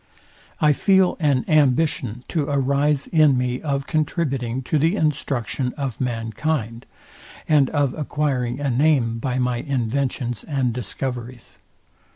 I feel an ambition to arise in me of contributing to the instruction of mankind, and of acquiring a name by my inventions and discoveries.